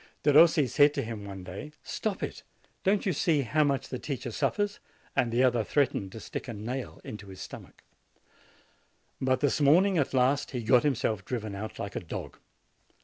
Derossi said to him one day, "Stop it! don't you see how much the teacher suffers?" and the other threatened to stick a nail into his stomach. But this morning, at last, he got himself driven out like a dog.